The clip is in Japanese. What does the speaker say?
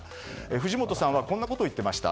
藤本さんはこんなことを言っていました。